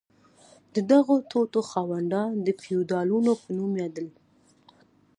د دغو ټوټو خاوندان د فیوډالانو په نوم یادیدل.